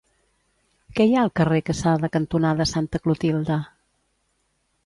Què hi ha al carrer Quesada cantonada Santa Clotilde?